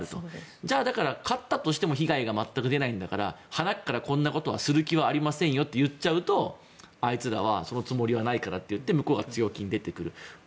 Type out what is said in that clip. じゃあ、勝ったとしても被害が全く出ないんだからはなからこんなことはする気はありませんよと言っちゃうとあいつらはそのつもりがないから強気に出てくる。